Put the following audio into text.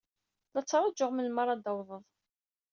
La ttṛajuɣ melmi ara d-tawḍed.